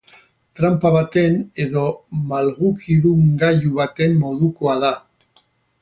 Tranpa baten edo malgukidun gailu baten modukoa da.